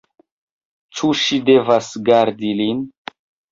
Ĉu ŝi devas gardi lin?